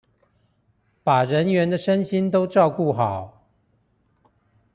把人員的身心都照顧好